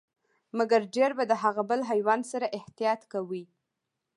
مګر ډیر به د هغه بل حیوان سره احتياط کوئ،